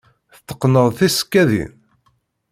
Tetteqqneḍ tisekkadin?